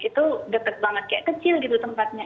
itu dekat banget kayak kecil gitu tempatnya